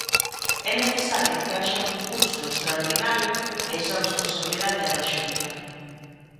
É necesario que haxa un custo extraordinario e esa responsabilidade é da Xunta.